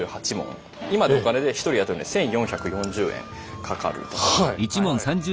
今のお金で１人雇うのに１，４４０円かかると。